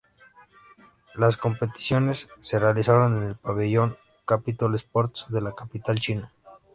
Las competiciones se realizaron en el Pabellón Capitol Sports de la capital china.